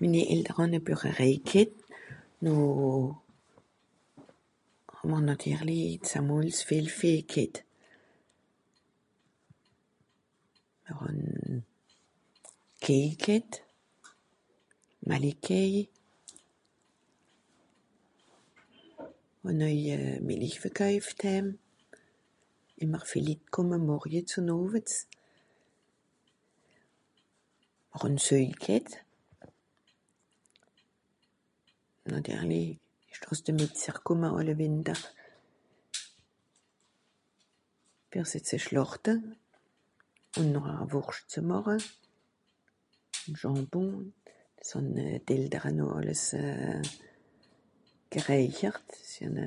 Minni Eltere hàn e Büreréi ghet. Noh... hà'mr nàtirli zamolls viel Vìeh ghet. Mìr hàn Kìeih ghet, Mallickkìeih. Ùn oei euh... Mìllich verkoeift d'hääm. Ìmmer vìel Litt kùmme morjets ùn owets. Mìr hàn Söi ghet. Nàtirli ìsch (...) de Métzjer kùmme àlle Wìnter, fer se ze schlàchte ùn nochhar Wùrscht ze màche, ùn Jambon. Dìs hàn d'Eltere noh àlles euh... gerächert. Sie hàn e...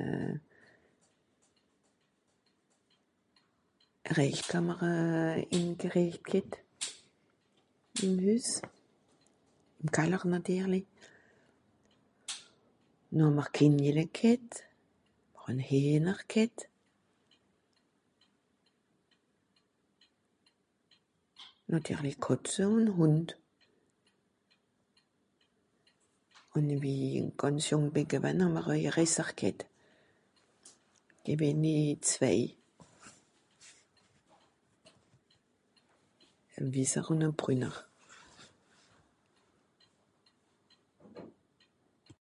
e rächkammer euh... (...) ghet, ìm Hüss, ìm Kaller nàtirli. Noh hàà'mr Kénjele ghet, hàn Hìener ghet. Nàtirli Kàtze ùn Hùnd. Ùn wie i gànz jùng bì gewan hàà'mr oei Resser ghet. (...) zwèi. E wisser ùn e brünner.